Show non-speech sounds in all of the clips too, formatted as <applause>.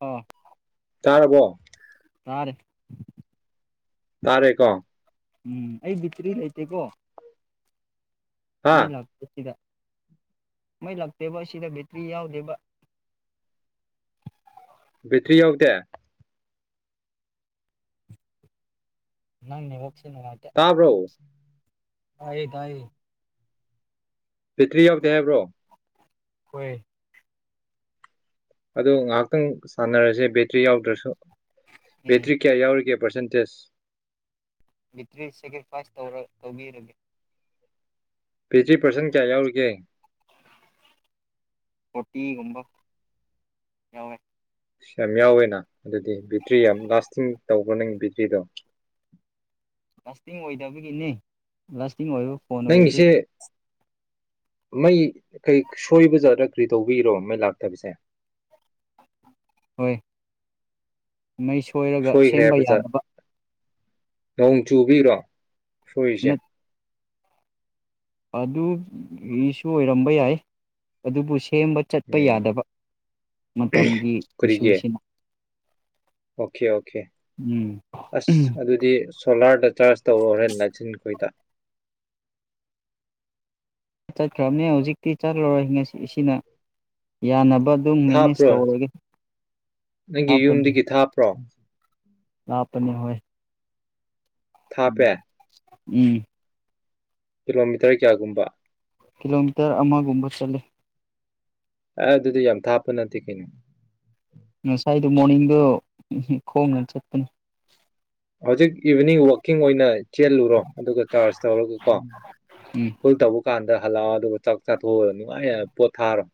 ꯑꯣ ꯇꯥꯔꯕꯣ ꯇꯥꯔꯦ ꯇꯥꯔꯦ ꯀꯣ ꯎꯝ ꯑꯩ ꯕꯤꯇꯔꯤ ꯂꯩꯇꯦꯀꯣ ꯃꯩ ꯍꯥ ꯂꯥꯛꯇꯦ ꯁꯤꯗ ꯃꯩ ꯂꯥꯛꯇꯦꯕ ꯑꯁꯤꯗ ꯕꯦꯇ꯭ꯔꯤ ꯌꯥꯎꯗꯦꯕ ꯕꯦꯇ꯭ꯔꯤ ꯌꯥꯎꯗꯦ ꯅꯪꯅꯦꯕ ꯇꯥꯕ꯭ꯔꯣ ꯇꯥꯌꯦ ꯇꯥꯌꯦ ꯕꯦꯇ‍꯭ꯔꯤ ꯌꯥꯎꯗꯦ ꯍꯥꯏꯕ꯭ꯔꯣ ꯍꯣꯏ ꯑꯗꯨ ꯉꯥꯏꯍꯥꯛꯇꯪ ꯁꯥꯟꯅꯔꯁꯦ ꯕꯦꯇ꯭ꯔꯤ ꯌꯥꯎꯗ꯭ꯔꯁꯨ ꯎꯝ ꯕꯦꯇ꯭ꯔꯤ ꯀꯌꯥ ꯌꯥꯎꯔꯤꯒꯦ ꯄꯥꯔꯁꯦꯟꯇꯦꯖ ꯕꯤꯇ꯭ꯔꯤ ꯁꯦꯀ꯭ꯔꯤꯐꯥꯏꯁ ꯇꯧꯕꯤꯔꯒꯦ ꯕꯦꯇ꯭ꯔꯤ ꯄꯥꯔꯁꯦꯟ ꯀꯌꯥ ꯌꯥꯎꯔꯤꯒꯦ ꯐꯣꯔꯇꯤꯒꯨꯝꯕ ꯌꯥꯎꯋꯦ ꯑꯁ ꯌꯥꯝ ꯌꯥꯎꯋꯦꯅ ꯑꯗꯨꯗꯤ ꯕꯦꯇ꯭ꯔꯤ ꯌꯥꯝ ꯂꯥꯁꯇꯤꯡ ꯇꯧꯒꯅꯤ ꯕꯦꯇ꯭ꯔꯤꯗꯣ ꯂꯥꯁꯇꯤꯡ ꯑꯣꯏꯗꯕꯒꯤꯅꯦ ꯂꯥꯁ ꯇꯤꯡ ꯑꯣꯏꯕ ꯐꯣꯟ ꯑꯣꯏꯔꯗꯤ ꯅꯪꯒꯤꯁꯦ ꯃꯩ ꯀꯩ ꯁꯣꯏꯕꯖꯥꯠꯂꯥ ꯀꯔꯤ ꯇꯧꯕꯤꯔꯣ ꯃꯩ ꯂꯥꯛꯇꯕꯤꯁꯦ ꯍꯣꯏ ꯃꯩ ꯁꯣꯏꯔꯒ ꯁꯣꯏꯈ꯭ꯔꯦ ꯁꯦꯝꯕ ꯍꯥꯏꯕ ꯖꯥꯠ ꯌꯥꯗꯕ ꯅꯣꯡ ꯆꯨꯕꯤꯔꯣ ꯐꯨꯏꯁꯦ ꯑꯗꯨꯒꯤꯁꯨ ꯑꯣꯏꯔꯝꯕ ꯌꯥꯏ ꯑꯗꯨꯕꯨ ꯁꯤ ꯁꯦꯝꯕ ꯆꯠꯄ ꯎꯝ ꯌꯥꯗꯕ ꯃꯇꯝꯒꯤ ꯀꯔꯤꯒꯤ ꯏꯁꯨꯁꯤꯅ ꯑꯣꯀꯦ ꯑꯣꯀꯦ ꯎꯝ ꯑꯁ ꯑꯗꯨꯗꯤ ꯁꯣꯂꯥꯔꯗ ꯆꯥꯔꯖ ꯇꯧꯔꯣꯍꯦ ꯅꯆꯤꯟꯈꯣꯏꯗ ꯆꯠꯈ꯭ꯔꯕꯅꯤ ꯍꯧꯖꯤꯛꯇꯤ ꯆꯠꯂꯔꯣꯏ ꯑꯁꯤꯅ ꯌꯥꯅꯕ ꯑꯗꯨꯝ ꯃꯦꯅꯦꯖ ꯊꯥꯞꯄ꯭ꯔꯣꯏ ꯇꯧꯔꯒꯦ ꯅꯪꯒꯤ ꯍꯥꯞꯄꯅꯤ ꯌꯨꯝꯗꯒꯤ ꯊꯥꯞꯄ꯭ꯔꯣ ꯂꯥꯞꯄꯅꯤ ꯍꯣꯏ ꯊꯥꯞꯄꯦ ꯎꯝ ꯀꯤꯂꯣꯃꯤꯇꯔ ꯀꯌꯥꯒꯨꯝꯕ ꯀꯤꯂꯣꯃꯤꯇꯔ ꯑꯃꯒꯨꯝꯕ ꯆꯠꯂꯦ ꯑꯦ ꯑꯗꯨꯗꯤ ꯌꯥꯝ ꯊꯥꯞꯄ ꯅꯠꯇꯦ ꯀꯩꯅꯣ ꯉꯁꯥꯏꯗꯣ ꯃꯣꯔꯅꯤꯡꯗꯣ ꯈꯣꯡꯅ ꯆꯠꯄꯅꯤ ꯍꯧꯖꯤꯛ ꯏꯚꯤꯅꯤꯡ ꯋꯥꯛꯀꯤꯡ ꯑꯣꯏꯅ ꯆꯦꯜꯂꯨꯔꯣ ꯑꯗꯨꯒ ꯆꯥꯔꯖ ꯇꯧꯔꯒꯀꯣ ꯎꯝ ꯐꯨꯜ ꯇꯧꯕ ꯀꯥꯟꯗ ꯍꯜꯂꯛꯑꯣ ꯑꯗꯨꯒ ꯆꯥꯛ ꯆꯥꯊꯣꯛꯑꯣ ꯅꯨꯡꯉꯥꯏ ꯄꯣꯠꯊꯥꯔꯣ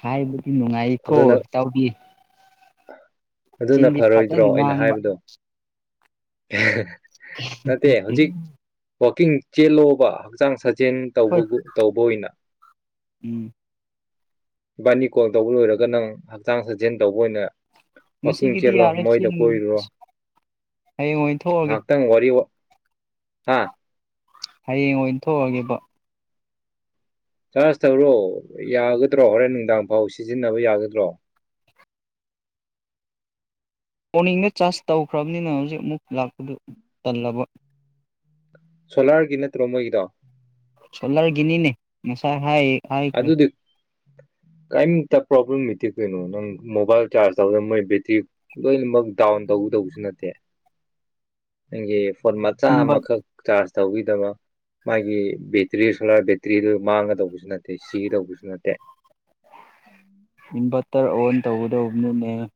ꯍꯥꯏꯗ ꯅꯨꯡꯉꯥꯏꯀꯣ ꯏꯇꯥꯎꯗꯤ ꯑ ꯑꯗꯨꯅ ꯐꯔꯣꯏꯗ꯭ꯔꯣ ꯑꯩꯅ ꯉꯥꯡꯕ ꯍꯥꯏꯕꯗꯣ <inaudible> ꯅꯠꯇꯦ ꯍꯧꯖꯤꯛ <inaudible> ꯋꯥꯛꯀꯤꯡ ꯆꯦꯜꯂꯣꯕ ꯍꯛꯆꯥꯡ ꯁꯥ ꯖꯦꯟ ꯍꯣꯏ ꯇꯧꯕꯒꯨꯝ ꯇꯧꯕ ꯑꯣꯏꯅ ꯎꯝ ꯅꯤ ꯀꯣ ꯇꯧꯕ ꯂꯣꯏꯔꯒ ꯅꯪ ꯍꯛꯆꯥꯡ ꯁꯥꯖꯦꯜ ꯇꯧꯕ ꯑꯣꯏꯅ ꯋꯥꯋꯥꯛꯀꯤꯡ ꯉꯁꯤꯒꯤꯗꯤ ꯆꯦꯜꯂꯣ ꯌꯥꯔꯦ ꯃꯣꯏꯗ ꯆꯤꯟ ꯀꯣꯏꯔꯨꯔꯣ ꯍꯌꯦꯡ ꯑꯣꯏꯅ ꯊꯣꯛꯑꯒꯦ ꯉꯥꯏꯍꯥꯛꯇꯪ ꯋꯥꯔꯤ ꯍꯥꯥ ꯍꯌꯦꯡ ꯑꯣꯏꯅ ꯊꯣꯛꯑꯒꯦꯕ ꯆꯥꯔꯖ ꯇꯧꯔꯣ ꯌꯥꯒꯗ꯭ꯔꯣ ꯍꯣꯔꯦꯟ ꯅꯨꯡꯗꯥꯡꯐꯥꯎ ꯁꯤꯖꯤꯟꯅꯕ ꯌꯥꯒꯗ꯭ꯔꯣ ꯑꯣꯣꯟꯅꯤꯡꯗ ꯆꯥꯔꯖ ꯇꯧꯈ꯭ꯔꯕꯅꯤꯅ ꯍꯧꯖꯤꯛ ꯑꯃꯨꯛ ꯂꯥꯛꯄꯗꯨ ꯇꯜꯂꯕ ꯁꯣꯂꯥꯔꯒꯤ ꯅꯠꯇ꯭ꯔꯣ ꯃꯣꯏꯒꯤꯗꯣ ꯆꯣꯂꯔ ꯅꯤꯅꯦ ꯃꯁꯥ ꯍꯥꯏꯥꯏ ꯑꯗꯨ ꯑꯗꯨꯗꯤ ꯀꯔꯤꯝꯇ ꯄ꯭ꯔꯣꯕ꯭ꯂꯦꯝꯃꯦꯇꯤꯛ ꯀꯩꯅꯣ ꯅꯪ ꯃꯣꯕꯥꯏꯜ ꯆꯥꯔꯖ ꯇꯧꯕꯗ ꯃꯣꯏ ꯕꯦꯇ꯭ꯔꯤ ꯂꯣꯏꯅꯃꯛ ꯗꯥꯎꯟ ꯇꯧꯗꯧꯕꯁꯨ ꯅꯠꯇꯦ ꯅꯪꯒꯤ ꯐ ꯃꯆꯥ ꯏꯟꯚꯔ ꯑꯃꯈꯛ ꯆꯥ ꯇꯧꯕꯤꯗꯕ ꯃꯥꯒꯤ ꯕꯦꯇ꯭ꯔꯤ ꯁꯣꯂꯥꯔ ꯕꯦꯇ꯭ꯔꯤꯗꯨ ꯃꯥꯡꯉꯒ ꯇꯧꯕꯁꯨ ꯅꯠꯇꯦ ꯑ ꯁꯤꯒ ꯇꯧꯕꯁꯨ ꯅꯠꯇꯦ ꯕꯇꯔ ꯑꯣꯟ ꯇꯧꯒꯗꯧꯕꯅꯅꯦ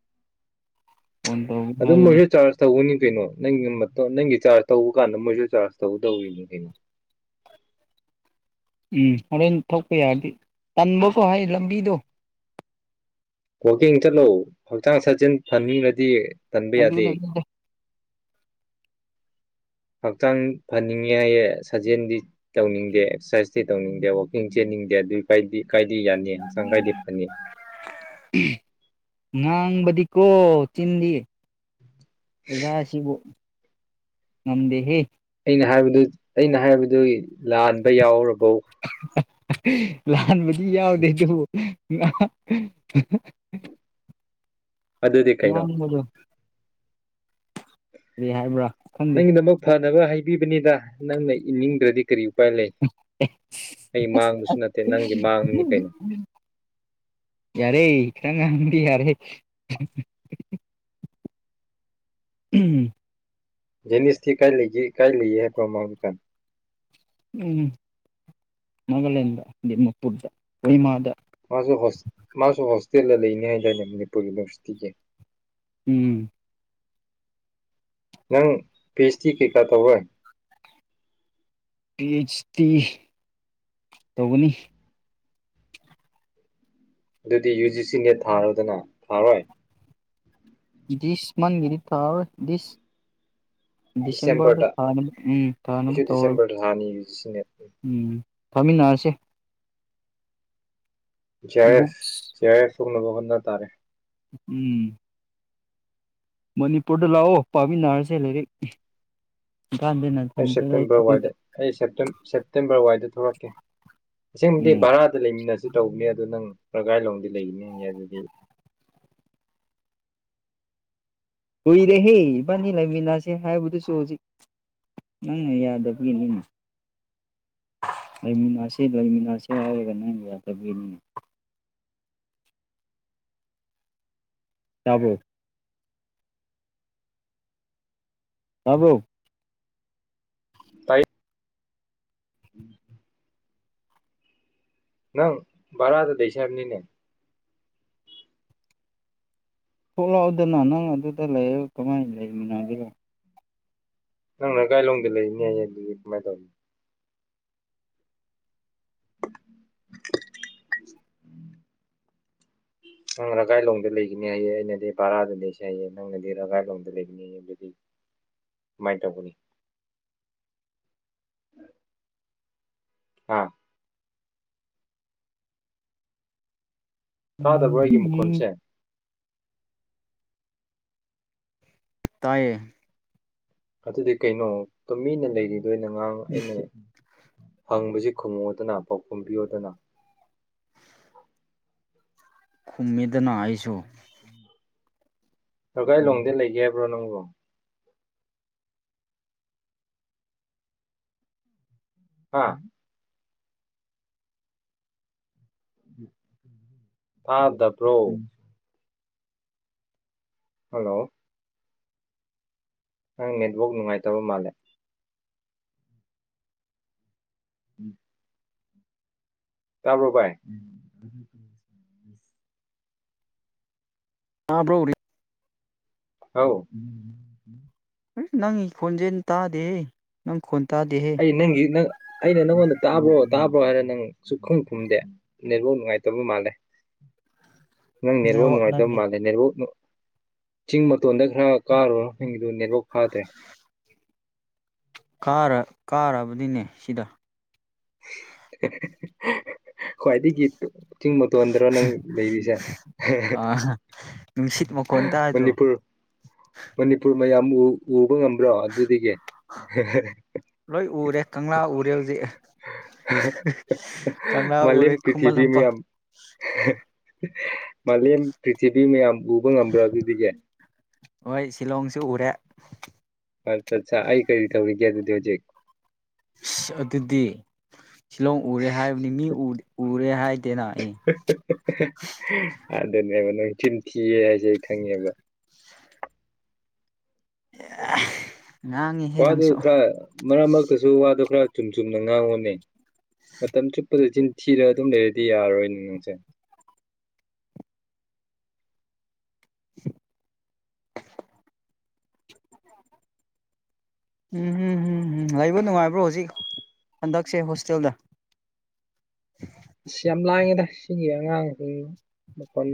ꯑꯗꯨ ꯃꯩꯦ ꯆꯥꯔꯁ ꯇꯅꯤ ꯀꯩꯅꯣ ꯅꯪꯒꯤ ꯅꯪꯒꯤ ꯆꯥꯔꯖ ꯇꯧꯕ ꯀꯥꯟꯗ ꯃꯣꯏꯁꯨ ꯆꯥꯔꯖ ꯇꯧꯗꯧꯔꯤꯅ ꯀꯩꯅꯣ ꯎꯝ ꯍꯣꯔꯦꯟ ꯊꯣꯛꯄ ꯌꯥꯔꯗꯤ ꯇꯟꯕꯕꯨꯣ ꯍꯥꯏ ꯂꯝꯕꯤꯗꯣ ꯋꯥꯛꯀꯤꯡ ꯆꯠꯂꯎ ꯍꯛꯆꯥꯡ ꯁꯥꯆꯦꯜ ꯐꯅꯤꯡꯉꯗꯤ ꯇꯟꯕ ꯌꯥꯗꯦ ꯑꯗꯨꯅ ꯍꯛꯆꯥꯡ ꯐꯅꯤꯡꯉꯦ ꯍꯥꯏꯌꯦ ꯁꯥꯖꯦꯜꯗꯤ ꯇꯧꯅꯤꯡꯗꯦ ꯑꯦꯛꯁꯔꯁꯥꯏꯁꯇꯤ ꯇꯧꯅꯤꯡꯗꯦ ꯋꯥꯋꯀꯤꯡ ꯆꯦꯟꯅꯤꯡꯗꯦ ꯑꯗꯨꯏ ꯀꯥꯏꯗꯤ ꯌꯥꯅꯤ ꯍꯛꯆꯥꯡ ꯀꯥꯏꯗꯤ ꯐꯅꯤ ꯉꯥꯡꯥꯡꯕꯗꯤ ꯀꯣ ꯆꯤꯟꯗꯤ ꯑꯣꯖꯥꯁꯤꯕꯨ ꯅꯝꯗꯦꯍꯦ ꯑꯩꯅ ꯍꯥꯏꯕꯗꯨ ꯑꯩꯅ ꯍꯥꯏꯕꯗꯨ ꯂꯥꯟꯕ ꯌꯥꯎꯔꯕꯣ ꯑ ꯂꯥꯟꯕꯗꯤ ꯌꯥꯎꯗꯦ ꯑꯗꯨꯕꯨ <inaudible> ꯑꯗꯨꯗꯤ ꯀꯩꯅꯣ ꯃꯥꯃꯗꯣ ꯍꯥꯏꯕ꯭ꯔꯥ ꯈꯪꯗꯦ ꯅꯪ ꯅꯃꯛ ꯐꯔ ꯐꯅꯕ ꯍꯥꯏꯕꯤꯕꯅꯤꯗ ꯅꯪꯅ ꯏꯅꯤꯡꯗ꯭ꯔꯗꯤ ꯀꯔꯤ ꯎꯄꯥꯏ ꯂꯩ ꯑꯩ ꯃꯥꯡꯕꯁꯨ ꯅꯠꯇꯦ ꯅꯪꯒꯤ ꯃꯥꯡꯕꯅꯤ ꯀꯩꯅꯣ ꯌꯥꯔꯦ ꯈꯔ ꯉꯥꯡꯕꯗꯤ ꯌꯥꯔꯦ <unintelligible> <unintelligible> ꯎꯝ ꯃꯒꯂꯦꯟꯗ ꯗꯤꯃꯄꯨꯔꯗ ꯀꯣꯍꯤꯃꯥꯗ ꯃꯥꯖꯨ ꯍꯣꯁ ꯃꯥꯖꯨ ꯍꯣꯁꯇꯦꯜꯗ ꯂꯩꯅꯤ ꯍꯥꯏꯗꯥꯏꯅꯦ ꯃꯅꯤꯄꯨꯔ ꯌꯨꯅꯤꯚꯔꯁꯤꯇꯤꯒꯤ ꯎꯝ ꯅꯪ ꯄꯤꯁ ꯇꯤ ꯀꯩꯀꯥ ꯇꯧꯔꯣꯏ ꯄꯤꯁ ꯇꯤ ꯇꯧꯒꯅꯤ ꯑꯗꯨꯗꯤ ꯌꯨ ꯖꯤ ꯁꯤ ꯅꯦꯠ ꯊꯥꯔꯣꯗꯅ ꯊꯥꯔꯣꯏ ꯗꯤꯖꯁ ꯃꯟꯒꯤꯗꯤ ꯊꯔꯔꯣꯏ ꯗꯤꯁ ꯗꯤꯁꯦꯝꯕꯔꯗ ꯊꯥꯒꯅꯤ ꯎꯝ ꯊꯥꯅꯕ ꯑꯩꯁꯨ ꯇꯧꯔꯥ ꯗꯤꯁꯦꯝꯕꯔꯗ <unintelligible> ꯐꯥꯃꯤꯟꯅꯁꯦ G R race books G R S ꯀꯣꯛꯂꯥꯕ ꯍꯣꯠꯅ ꯇꯥꯔꯦ ꯎꯝ ꯃꯅꯤꯄꯨꯔꯗ ꯂꯥꯑꯣ ꯄꯥꯃꯤꯅꯥꯔꯁꯦ ꯂꯩꯔꯤꯛ ꯑꯩ ꯁꯦꯞꯇꯦꯝꯕꯔ ꯋꯥꯏꯗ ꯑꯩ ꯁꯦꯞꯇꯦꯝ ꯁꯦꯞꯇꯦꯝꯕꯔ ꯋꯥꯏꯗ ꯊꯣꯛꯔꯛꯀꯦ ꯑꯁꯦꯡꯕꯗꯤ ꯎꯝ ꯚꯥꯔꯥꯗ ꯂꯩꯃꯤꯟꯅꯖꯦ ꯇꯧꯕꯅꯦ ꯑꯗꯨ ꯅꯪ ꯄ꯭ꯔꯒꯥꯏꯂꯣꯡꯗꯤ ꯂꯩꯒꯅꯤꯌꯦ ꯑꯗꯨꯗꯤ ꯀꯨꯏꯔꯦꯍꯦ ꯏꯕꯥꯅꯤ ꯂꯩꯥꯃꯤꯟꯅꯁꯦ ꯍꯥꯏꯕꯗꯨꯖꯨ ꯍꯧꯖꯤꯛ ꯅꯪꯅ ꯌꯥꯗꯕꯒꯤꯅꯤꯅꯦ ꯂꯩꯃꯤꯟꯅꯁꯦ ꯂꯩꯃꯤꯟꯅꯁꯦ ꯍꯥꯏꯔꯒ ꯅꯪꯅ ꯌꯥꯗꯕꯒꯤꯅꯤꯅꯦ ꯇꯥꯕꯔꯣ ꯇꯥꯕꯔꯣ ꯇꯥꯏꯌꯦ ꯎꯝ ꯅꯪ ꯔꯥ ꯑꯗꯥ ꯂꯩꯁꯥꯅꯤꯅꯦ ꯊꯣꯛꯂꯛꯑꯣꯗꯅ ꯅꯪ ꯑꯗꯨꯗ ꯂꯩꯔꯒ ꯀꯃꯥꯏꯅ ꯂꯩꯃꯤꯟꯅꯗꯣꯔ ꯅꯪꯅ ꯀꯥꯏꯂꯣꯡꯗ ꯂꯩꯅꯦꯌꯦꯡ ꯑꯗꯨꯗꯤ ꯀꯃꯥꯏꯅ ꯇꯧꯔꯤꯅꯤ ꯅꯪ ꯔꯒꯥꯏꯂꯣꯡꯗ ꯂꯩꯒꯅꯤ ꯍꯥꯏꯌꯦ ꯑꯩꯅꯗꯤ ꯕꯔꯥꯗ ꯂꯩꯁꯦ ꯍꯥꯏꯌꯦ ꯅꯪꯅꯗꯤ ꯔꯒꯥꯏꯂꯣꯡꯗ ꯂꯩꯒꯅꯤꯌꯦ ꯑꯗꯨꯗꯤ ꯀꯃꯥꯏꯅ ꯇꯧꯒꯅꯤ ꯎꯝ <inaudible> <unintelligible> ꯑꯥ ꯇꯥꯗꯕ꯭ꯔꯥ ꯑꯩꯒꯤ ꯎꯝ ꯃꯈꯣꯟꯁꯦ ꯇꯥꯏꯌꯦ ꯑꯗꯨꯗꯤ ꯀꯩꯅꯣ ꯇꯨꯃꯤꯅ ꯂꯩꯔꯤꯗꯣꯏꯅ ꯑꯉꯥꯡ ꯑꯩꯅ ꯍꯪꯕꯁꯤ ꯈꯨꯡꯉꯣꯗꯅ ꯄꯥꯎꯈꯨꯝ ꯄꯤꯌꯣꯗꯅ ꯈꯨꯝꯃꯤꯗꯅ ꯑꯩꯁꯨ ꯔꯒꯥꯏꯂꯣꯡꯗ ꯂꯩꯒꯦ ꯍꯥꯏꯕ꯭ꯔꯣ ꯅꯪꯕꯣ ꯍꯥ ꯐꯥꯗ ꯄ꯭ꯔꯣ ꯍꯜꯂꯣ ꯅꯪ ꯅꯦꯠꯋꯥꯛ ꯅꯨꯡꯉꯥꯏꯇꯕ ꯃꯥꯜꯂꯦ ꯎꯝ ꯇꯔꯕ ꯚꯥꯏ ꯇꯕ꯭ꯔꯣ ꯎꯔꯤ ꯍꯥꯎ ꯅꯪꯒꯤ ꯈꯣꯟꯖꯦꯜꯅ ꯇꯥꯗꯦ ꯅꯪ ꯈꯣꯟ ꯇꯥꯗꯦꯍꯦ ꯑꯩ ꯅꯪ ꯅꯪꯩꯅ ꯅꯪꯟ ꯇꯥꯕ꯭ꯔꯣ ꯇꯥꯕ꯭ꯔꯣ ꯍꯥꯏꯔ ꯅꯪ ꯁꯛꯈꯪ ꯈꯨꯝꯗꯦ ꯅꯦꯠꯐꯧ ꯅꯨꯡꯉꯥꯏꯇꯕ ꯃꯥꯜꯂꯦ ꯅꯦꯠꯋꯥꯛ ꯅꯪꯅꯤꯔꯕꯣꯅꯅꯨꯡꯉꯥꯏꯗ ꯅꯪꯒꯤ ꯃꯥꯜꯦꯅꯤꯕꯣ ꯆꯤꯡ ꯃꯇꯣꯟꯗ ꯈꯔ ꯀꯥꯔꯨꯔ ꯐꯪꯉ ꯑꯗꯨ ꯅꯦꯕꯨꯣꯛ ꯐꯥꯗ꯭ꯔꯦ ꯀꯥꯔ ꯀꯥꯔꯕꯗꯤꯅꯦ ꯁꯤꯗ <unintelligible> ꯈ꯭ꯋꯥꯏꯗꯒꯤ ꯆꯤꯡꯕꯣꯟꯗ꯭ꯔꯣ ꯅꯪ ꯂꯩꯔꯤꯁꯦ ꯑꯥ ꯅꯨꯡꯁꯤꯠ ꯃꯈꯣꯟ ꯇꯥꯗ꯭ꯔꯣ ꯃꯅꯤꯄꯨꯔ ꯃꯅꯤꯄꯨꯔ ꯃꯌꯥꯝ ꯎꯕ ꯄꯨ꯭ꯔꯣ ꯑꯗꯨꯗꯤꯒ <unintelligible> ꯂꯣꯏ ꯎꯔꯦ ꯀꯪꯂꯥ ꯎꯔꯦ ꯍꯧꯖꯤꯛ ꯀꯪꯂꯥ ꯃꯥꯂꯦꯝ ꯎꯔꯦ ꯈꯨꯃꯟ ꯂꯝꯄꯥꯛ ꯃꯥꯜꯂꯤ ꯄ꯭ꯔꯤꯊꯤꯕꯤ ꯃꯌꯥꯝ <unintelligible> ꯍꯣꯏ ꯁꯤꯂꯣꯡꯁꯨ ꯎꯔꯦ ꯑꯥ ꯑꯩ ꯀꯩꯔꯤ ꯇꯧꯔꯤꯒ ꯍꯧꯖꯤꯦꯛ ꯑꯁ ꯑꯗꯨꯗꯤ ꯁꯤꯂꯣꯡ ꯎꯔꯦ ꯍꯥꯏꯕꯅꯤ ꯃꯤ ꯎꯔꯦ ꯍꯥꯏꯗꯦꯅ ꯑꯩ ꯑꯗꯨꯅꯦꯕ ꯅꯪ ꯆꯤꯟ ꯊꯤꯌꯦ ꯍꯥꯏꯁꯦ ꯑꯩ ꯈꯪꯉꯦꯕ ꯑ <unintelligible> ꯋꯥꯗꯨ ꯈꯔ ꯃꯔꯛ ꯃꯔꯛꯇꯁꯨ ꯋꯥꯗꯨ ꯈꯔ ꯆꯨꯝ ꯆꯨꯝꯅ ꯉꯥꯡꯉꯣꯅꯦ ꯃꯇꯝ ꯆꯨꯞꯄꯗ ꯆꯤꯟꯊꯤꯔꯒ ꯑꯗꯨꯝ ꯂꯩꯔꯗꯤ ꯌꯥꯔꯔꯣꯏꯅꯦ ꯅꯪꯁꯦ ꯎꯝꯝ ꯎꯝ ꯂꯩꯕꯥ ꯅꯨꯡꯉꯥꯏꯕ꯭ꯔꯣ ꯍꯧꯖꯤꯛ ꯍꯟꯗꯛꯁꯦ ꯍꯣꯁꯇꯦꯜꯗ ꯑꯁ ꯌꯥꯝ ꯂꯥꯡꯉꯤꯗ ꯁꯤꯒꯤ ꯑꯉꯥꯡꯁꯤꯡ ꯃꯇꯝ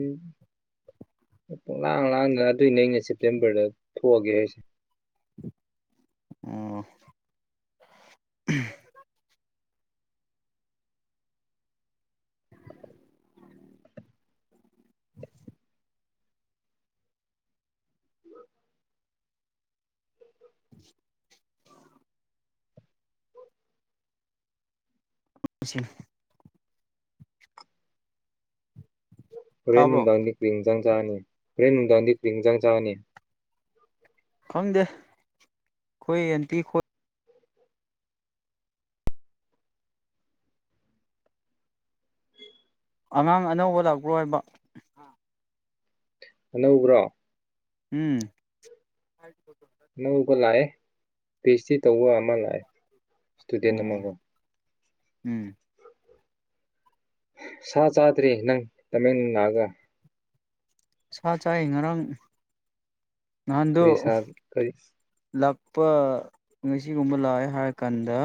ꯄꯨꯂꯥꯡ ꯂꯥꯡꯗꯅ ꯑꯗꯨꯏꯅꯦ ꯑꯩꯅ ꯁꯦꯞꯇꯦꯝꯕꯔꯗ ꯊꯣꯛꯑꯒꯦ ꯍꯥꯏꯁꯦ ꯑꯣ ꯁꯤꯟ <unintelligible> ꯍꯣꯔꯦꯟ ꯇꯥꯕ꯭ꯔꯣ ꯅꯨꯡꯗꯥꯡꯗꯤ ꯀꯨꯏꯅꯤ ꯀꯩ ꯏꯟꯖꯩ ꯆꯥꯒꯅꯤ ꯍꯣꯔꯦꯟ ꯅꯨꯡꯗꯥꯡꯗꯤ ꯀꯔꯤ ꯏꯟꯖꯥꯡ ꯆꯥꯒꯅꯤ ꯈꯪꯗꯦ ꯑꯩꯏ ꯑꯟꯇꯤ ꯈꯣꯏ ꯑꯉꯥꯡ ꯑꯅꯧꯕ ꯂꯥꯛꯄ꯭ꯔꯣ ꯍꯥꯏꯕ ꯑꯅꯧꯕ꯭ꯔꯣ ꯎꯝ ꯄꯤꯁ <unintelligible> ꯇꯧꯕ ꯑꯃ ꯂꯥꯛꯑꯦ ꯁꯇꯨꯗꯦꯟ ꯑꯃ ꯑꯣ ꯀꯣ ꯎꯝ ꯁꯥ ꯆꯥꯗ꯭ꯔꯤ ꯅꯪ ꯇꯃꯦꯡ ꯂꯥꯛꯑꯒ ꯁꯥ ꯆꯥꯏꯑꯦ ꯉꯔꯥꯡ ꯉꯍꯥꯟꯗꯣ ꯀꯔꯤ ꯁꯥ ꯀꯔꯤ ꯉꯁꯤꯒꯨꯝꯕ ꯂꯥꯛꯑꯦ ꯍꯥꯏꯔꯀꯥꯟꯗ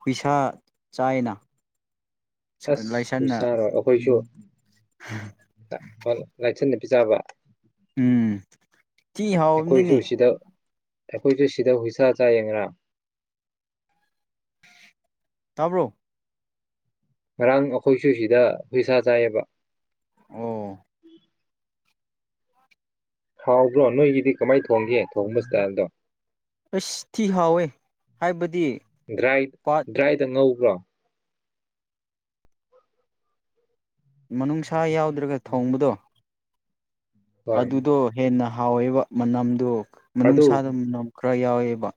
ꯍꯨꯏꯁꯥ ꯆꯥꯏꯑꯦꯅꯥ ꯑꯁ ꯍꯨꯏ ꯁꯥꯔꯣ ꯑꯩꯈꯣꯏꯁꯨ <unintelligible> ꯂꯥꯏꯆꯟꯅ ꯄꯤꯆꯥꯕ ꯎꯝ ꯊꯤ ꯍꯥꯎꯕꯥꯅꯤꯅꯦ ꯑꯩꯈꯣꯏꯁꯨ ꯁꯤꯗ ꯑꯩꯈꯣꯏꯁꯨ ꯁꯤꯗ ꯍꯨꯏꯁꯥ ꯆꯥꯏꯌꯦ ꯉꯔꯥꯡ ꯇꯥꯕ꯭ꯔꯣ ꯉꯔꯥꯡ ꯑꯩꯈꯣꯏꯁꯨ ꯁꯤꯗ ꯍꯨꯏꯁꯥ ꯆꯥꯏꯌꯦꯕ <inaudible> ꯑꯣ ꯍꯥꯎꯕ꯭ꯔꯣ ꯅꯣꯏꯒꯤꯗꯤ ꯀꯃꯥꯏ ꯊꯣꯡꯒꯦ ꯊꯣꯡꯕ ꯁꯇꯥꯏꯜꯗꯣ ꯑꯁ ꯊꯤ ꯍꯥꯎꯋꯦ ꯍꯥꯏꯕ ꯗ꯭ꯔꯥꯏ ꯗ꯭ꯔꯥꯏꯗ ꯉꯧꯕ꯭ꯔꯣ ꯃꯅꯨꯡꯁꯥ ꯌꯥꯎꯗ꯭ꯔꯒ ꯊꯣꯡꯕꯗꯣ ꯍꯣꯏ ꯑꯗꯨꯗꯣ ꯍꯦꯟꯅ ꯍꯥꯎꯋꯦꯕꯥ ꯃꯅꯝꯗꯣ ꯑꯗꯨ ꯃꯅꯨꯡꯁꯥꯗ ꯃꯅꯝ ꯈꯔ ꯌꯥꯎꯑꯦꯕꯥ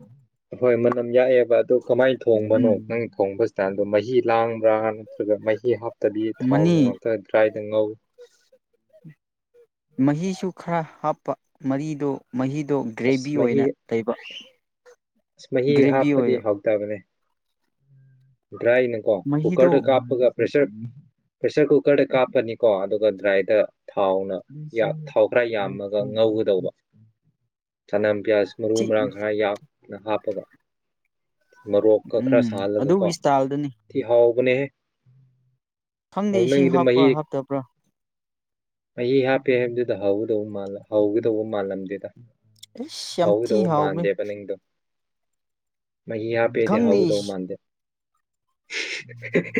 ꯍꯣꯏ ꯃꯅꯝ ꯌꯥꯛꯑꯦ ꯑꯗꯣ ꯀꯃꯥꯏꯟ ꯊꯣꯡꯕꯅꯣ ꯎꯝ ꯅꯪ ꯊꯣꯡꯕꯁ ꯇꯜꯗꯣ ꯃꯍꯤ ꯂꯥꯡꯕ꯭ꯔꯥ ꯅꯠꯇ꯭ꯔꯒ ꯃꯍꯤ ꯍꯥꯞꯄ ꯗꯤ ꯊꯥꯎ ꯃꯅꯤ ꯅꯨꯡ ꯉꯥꯛꯇ ꯗ꯭ꯔꯥꯏ ꯉꯥꯎ ꯃꯍꯤꯁꯨ ꯈꯔ ꯍꯥꯞꯄ ꯃꯍꯤꯗꯣ ꯃꯍꯤꯗꯣ ꯑꯁ ꯒ꯭ꯔꯦꯚꯤ ꯃꯍꯤ ꯑꯣꯏꯅ ꯂꯩꯕ ꯑꯁ ꯃꯍꯤ ꯒ꯭ꯔꯦꯚꯤ ꯑꯣꯏ ꯍꯥꯞꯄꯗꯤ ꯍꯥꯎꯇꯕꯅꯦ ꯗ꯭ꯔꯥꯏꯅꯀꯣ ꯃꯍꯤꯗꯣ ꯀꯨꯀꯔꯗ ꯀꯥꯞꯄꯒ ꯄ꯭ꯔꯦꯁꯔ ꯄ꯭ꯔꯦꯁꯔ ꯀꯨꯀꯔꯗ ꯀꯥꯞꯄꯅꯤꯀꯣ ꯑꯗꯨꯒ ꯗ꯭ꯔꯥꯏꯗ ꯊꯥꯎꯅ ꯊꯥꯎ ꯈꯔ ꯌꯥꯝꯃꯒ ꯉꯧꯒꯗꯧꯕ ꯆꯅꯥꯝ ꯄꯤꯌꯥꯁ ꯃꯔꯨ ꯊꯤ ꯃꯔꯥꯡ ꯈꯔ ꯌꯥꯛꯅ ꯍꯥꯞꯄꯒ ꯃꯣꯔꯣꯛꯀ ꯈꯔ ꯎꯝ ꯁꯥꯍꯜꯂꯒ ꯀꯣ ꯑꯗꯨꯒꯤ ꯏꯁꯇꯥꯏꯜꯗꯨꯅꯤ ꯊꯤꯍꯥꯎ ꯕꯅꯦꯍꯦ ꯈꯪꯗꯦ ꯏꯁꯤꯡ ꯍꯥꯞꯄ꯭ꯔꯥ ꯍꯥꯞꯇꯕ꯭ꯔꯥ ꯃꯍꯤ ꯍꯥꯞꯄꯦ ꯍꯥꯏꯕꯗꯨꯗ ꯍꯧꯒꯗꯧꯕꯜ ꯍꯧꯒꯗꯧꯕ ꯃꯥꯜꯂꯝꯗꯨꯗ ꯑꯩꯁ ꯌꯥꯝ ꯊꯤ ꯍꯧꯗꯧ ꯍꯥꯎꯕꯅꯤ ꯃꯥꯟꯗꯦꯕ ꯅꯪꯗꯣ ꯃꯤ ꯍꯥꯄꯦꯗꯤ ꯍꯧꯎꯒꯗꯧ ꯃꯥꯟꯗꯦ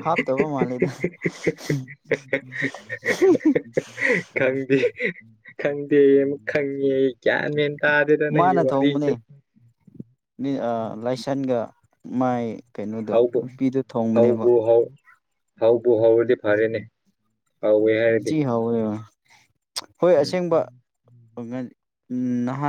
ꯍꯥꯞꯇꯕꯨ ꯃꯥꯜꯂꯩꯗ ꯈꯪꯗꯦ ꯈꯪꯗꯦ ꯑꯃꯨꯛ ꯈꯪꯉꯦ ꯑꯩ ꯀꯌꯥ ꯃꯦꯟ ꯇꯥꯗꯦꯗ ꯅꯪꯒꯤ ꯃꯥꯅ ꯊꯣꯡꯕꯅꯦ ꯋꯥꯔꯤꯁꯦ ꯂꯥꯏꯁꯟꯒ ꯃꯥꯏ ꯀꯩꯅꯣꯗꯣ ꯍꯧꯕꯨ ꯅꯨꯄꯤꯗꯣ ꯊꯣꯡꯕꯅꯦꯕ ꯍꯥꯎ ꯄꯣꯍꯥꯎꯕꯗꯤ ꯐꯥꯔꯦꯅꯦ ꯐꯥꯎꯋꯦ ꯍꯥꯏꯔꯗꯤ ꯊꯤ ꯍꯥꯎꯋꯦꯕ ꯍꯣꯏ ꯎꯝ ꯑꯁꯦꯡꯕ ꯅꯍꯥꯟ